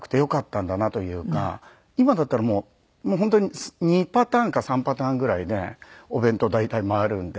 今だったらもう本当に２パターンか３パターンぐらいでお弁当大体回るんで。